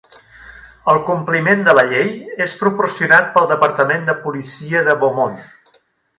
El compliment de la llei és proporcionat pel departament de policia de Beaumont.